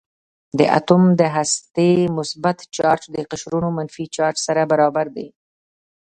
د اتوم د هستې مثبت چارج د قشرونو منفي چارج سره برابر دی.